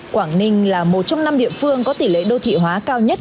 quảng ninh là một trong năm địa phương có tỷ lệ đô thị hóa cao nhất